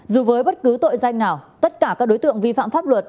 dù với bất cứ tội danh nào tất cả các đối tượng vi phạm pháp luật